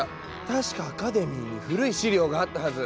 確かアカデミーに古い資料があったはず。